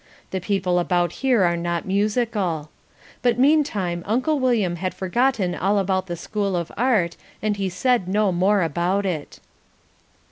The people about here are not musical. But meantime Uncle William had forgotten all about the School of Art, and he said no more about it.